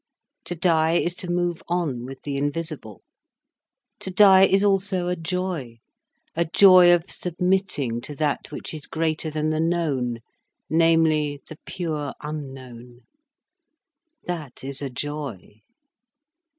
To die is to move on with the invisible. To die is also a joy, a joy of submitting to that which is greater than the known, namely, the pure unknown. That is a joy.